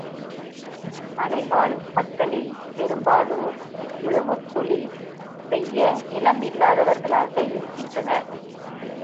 மலைவாழ் மக்களில் பெரும்பாலோர் உழவுத தொழில் செய்ய நிலம் இல்லாதவர்களாக இருக்கின்றனர்.